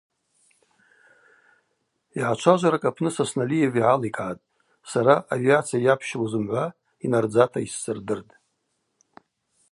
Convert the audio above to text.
Йгӏачважваракӏ апны Сосналиев йгӏаликӏгӏатӏ: Сара авиация йапщылу зымгӏва йнардзата йссырдыртӏ.